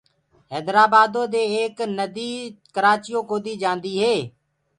هيدرآبآدو دي ايڪ نديٚ ڪرآچيو ڪوديٚ جآنٚديٚ هي